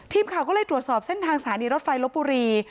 ทีมข่าวก็เลยตรวจสอบเส้นทางสถานีรถไฟลบบุรี